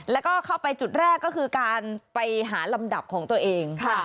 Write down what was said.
แล้วก็เข้าไปจุดแรกก็คือการไปหาลำดับของตัวเอง